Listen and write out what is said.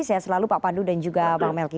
saya selalu pak pandu dan juga bang melki